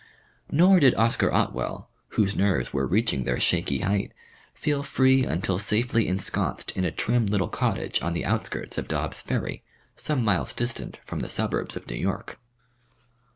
Nor did Oscar Otwell, whose nerves were reaching their shaky height, feel free until safely ensconsed in a trim little cottage on the outskirts of Dobbs Ferry, some miles distant from the suburbs of New York.